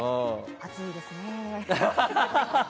暑いですねって。